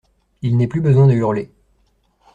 Il n’est plus besoin de hurler.